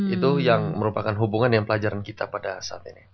itu yang merupakan hubungan dengan pelajaran kita pada saat ini